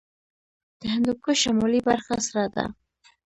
د هندوکش شمالي برخه سړه ده